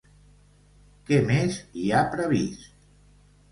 Què més hi ha previst?